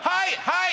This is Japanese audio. はい！